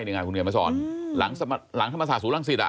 ในงานคุณเงียนมาสอนหลังธรรมศาสตร์ศูนย์รังศิษฐ์